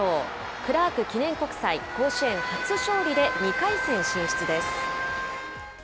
クラーク記念国際、甲子園初勝利で２回戦進出です。